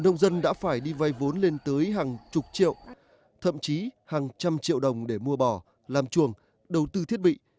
nông dân đã phải đi vay vốn lên tới hàng chục triệu thậm chí hàng trăm triệu đồng để mua bò làm chuồng đầu tư thiết bị